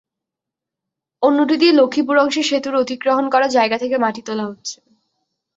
অন্যটি দিয়ে লক্ষ্মীপুর অংশের সেতুর অধিগ্রহণ করা জায়গা থেকে মাটি তোলা হচ্ছে।